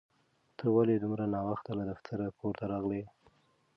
ته ولې دومره ناوخته له دفتره کور ته راغلې؟